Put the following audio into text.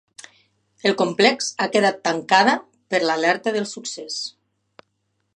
El complex ha quedat tancada per l’alerta del succés.